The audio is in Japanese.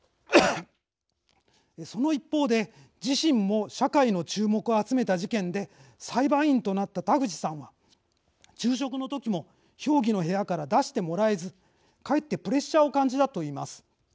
その一方で自身も社会の注目を集めた事件で裁判員となった田口さんは昼食の時も評議の部屋から出してもらえずかえってプレッシャーを感じたと言います。